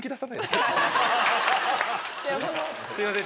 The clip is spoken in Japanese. すいません